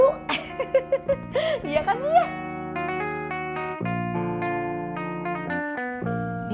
tapi belum banyak yang tahu